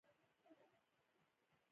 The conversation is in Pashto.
بادام د افغانستان په طبیعت کې مهم رول لري.